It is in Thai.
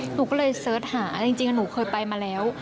หนูก็เลยเสิร์ชหาจริงหนูเคยไปมาแล้ว